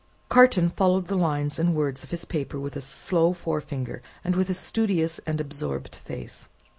Carton followed the lines and words of his paper, with a slow forefinger, and with a studious and absorbed face.